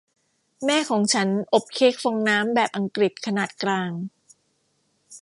แม่ของฉันอบเค้กฟองน้ำแบบอังกฤษขนาดกลาง